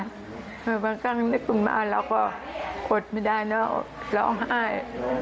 แต่บางครั้งนึกมาเราก็อดไม่ได้เนอะร้องไห้